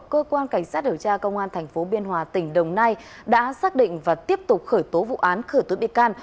cơ quan cảnh sát điều tra công an tp biên hòa tỉnh đồng nai đã xác định và tiếp tục khởi tố vụ án khởi tố bị can